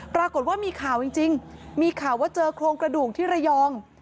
ปรากฏว่ามีข่าวจริงมีข่าวว่าเจอโครงกระดูกที่ระยอง